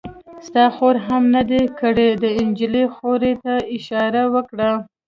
ستا خور هم نه دی کړی؟ د نجلۍ خور ته یې اشاره وکړه.